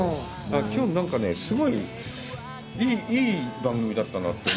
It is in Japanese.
きょう、なんかね、すごいいい番組だったなって思う。